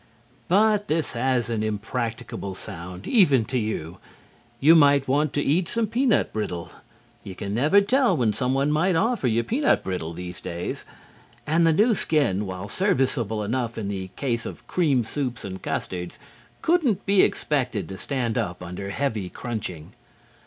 But this has an impracticable sound, even to you. You might want to eat some peanut brittle (you never can tell when someone might offer you peanut brittle these days), and the new skin, while serviceable enough in the case of cream soups and custards, couldn't be expected to stand up under heavy crunching.